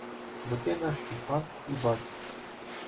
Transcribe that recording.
Бо ти наш і пан і батько